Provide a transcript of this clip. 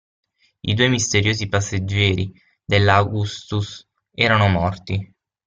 I due misteriosi passeggeri dell'Augustus erano morti.